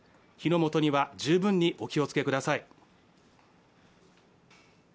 火の元には十分にお気をつけください。